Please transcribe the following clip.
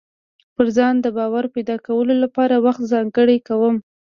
پر ځان د باور پيدا کولو لپاره وخت ځانګړی کوم.